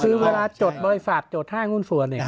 คือเวลาจดบริษัทจด๕หุ้นส่วนเนี่ย